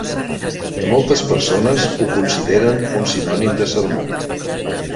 Moltes persones ho consideren un sinònim de sermó.